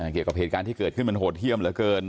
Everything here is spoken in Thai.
เกี่ยวกับเหตุการณ์ที่เกิดขึ้นมันโหดเยี่ยมเหลือเกิน